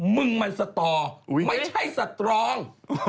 มึงมันสตอไม่ใช่สตรอง